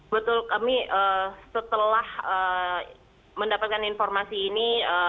betul kami setelah mendapatkan informasi ini